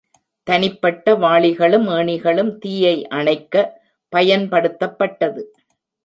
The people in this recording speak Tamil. தனிப்பட்ட வாளிகளும் ஏணிகளும் தீயை அணைக்க பயன்படுத்தப்பட்டது.